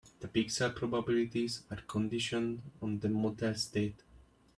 The pixel probabilities are conditioned on the model state.